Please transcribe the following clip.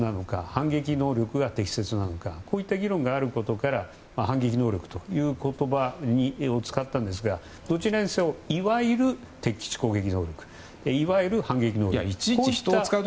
反撃能力が適切なのかこういった議論があることから反撃能力という言葉を使ったんですがどちらにせよいわゆる敵基地攻撃能力いわゆる反撃能力。